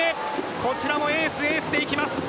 こちらもエースエースで行きます。